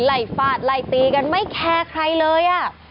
ฟาดไล่ตีกันไม่แคร์ใครเลย